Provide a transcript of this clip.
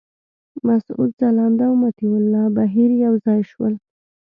مسعود ځلاند او مطیع الله بهیر یو ځای شول.